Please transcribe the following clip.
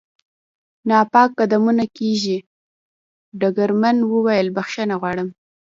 ناپاک قدمونه کېږدي، ډګرمن وویل: بخښنه غواړم.